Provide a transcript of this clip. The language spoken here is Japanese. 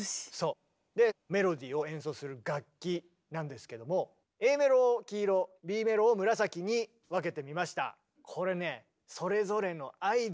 でメロディーを演奏する楽器なんですけどもＡメロを黄色Ｂメロを紫に分けてみました。